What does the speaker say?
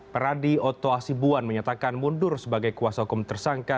peradi oto asibuan menyatakan mundur sebagai kuasa hukum tersangka